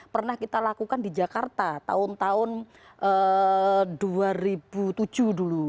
pernah kita lakukan di jakarta tahun tahun dua ribu tujuh dulu